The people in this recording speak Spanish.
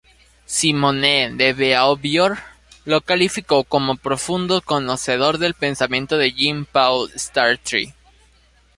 Simone de Beauvoir lo calificó como profundo conocedor del pensamiento de Jean Paul Sartre.